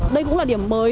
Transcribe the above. đây cũng là điểm mới